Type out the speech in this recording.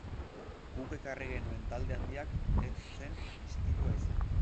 Guk ekarri genuen talde handiak ez zen istilua izan.